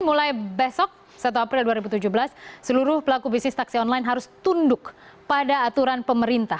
mulai besok satu april dua ribu tujuh belas seluruh pelaku bisnis taksi online harus tunduk pada aturan pemerintah